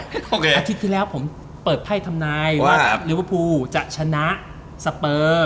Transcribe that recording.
อาทิตย์ที่แล้วผมเปิดไพ่ทำนายว่าลิเวอร์พูลจะชนะสเปอร์